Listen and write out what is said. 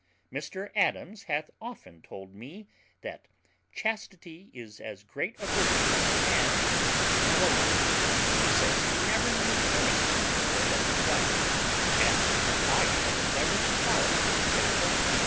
"Mr Adams hath often told me, that chastity is as great a virtue in a man as in a woman. He says he never knew any more than his wife, and I shall endeavour to follow his example.